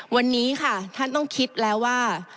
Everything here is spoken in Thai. วันนี้ค่ะท่านต้องคิดแล้วว่า